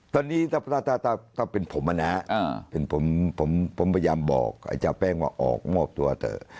ตอนนี้ถ้าเป็นผมนะผมพยายามบอกอาจารย์แป้งว่าออกมอบตัวเถอะ